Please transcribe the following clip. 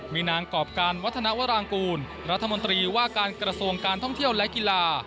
มีนางกรอบการวัฒนวรางกูลรัฐมนตรีว่าการกระทรวงการท่องเที่ยวและกีฬา